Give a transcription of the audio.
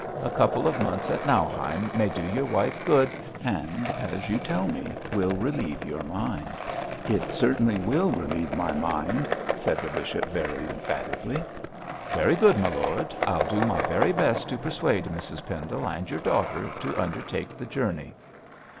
A couple of months at Nauheim may do your wife good, and as you tell me will relieve your mind.' 'It will certainly relieve my mind,' said the bishop, very emphatically. 'Very good, my lord. I'll do my very best to persuade Mrs Pendle and your daughter to undertake the journey.'